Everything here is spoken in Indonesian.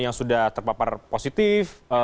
yang sudah terpapar positif